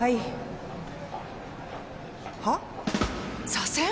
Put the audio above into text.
左遷？